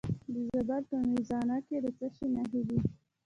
د زابل په میزانه کې د څه شي نښې دي؟